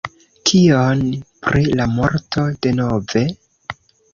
Kion pri la morto denove?